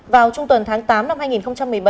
vào trung tuần tháng tám năm hai nghìn một mươi bảy